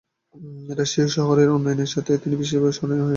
রাজশাহী শহরের উন্নয়নের সাথে তিনি বিশেষভাবে স্মরণীয় হয়ে আছেন।